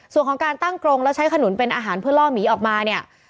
ส่วนของการตั้งกรงแล้วใช้ขนุนเป็นอาหารเพื่อล่อหมีออกมาเนี่ย